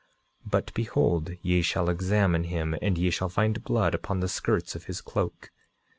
9:31 But behold, ye shall examine him, and ye shall find blood upon the skirts of his cloak.